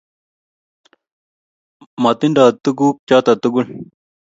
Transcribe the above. Matindeno tuguk choto tugul